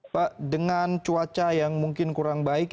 pak dengan cuaca yang mungkin kurang baik